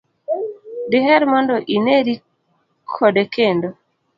diher mondo ineri kode kendo?